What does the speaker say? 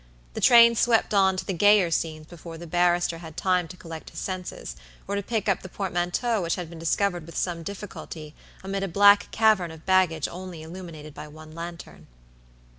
The train swept on to the gayer scenes before the barrister had time to collect his senses, or to pick up the portmanteau which had been discovered with some difficulty amid a black cavern of baggage only illuminated by one lantern.